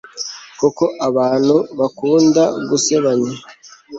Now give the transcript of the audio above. kuko abantu bakunda gusebanya